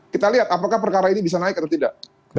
kita lihat apakah perkara ini bisa naik atau tidak